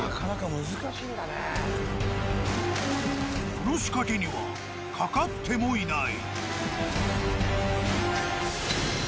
この仕掛けには掛かってもいない。